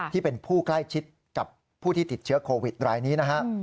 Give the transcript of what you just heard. ที่เป็นผู้ใกล้ชิดกับผู้ที่ติดเชื้อโควิดรายนี้นะฮะ